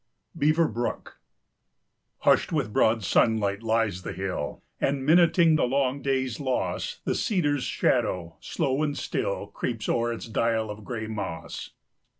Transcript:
BEAVER BROOK. Hushed with broad sunlight lies the hill, And, minuting the long day's loss, The cedar's shadow, slow and still, Creeps o'er its dial of gray moss.